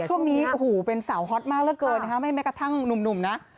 ช่วงนี้เป็นสาวฮอตมากเมกะเท่านุ่มนะ